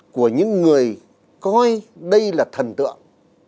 của những người coi đây là thần tượng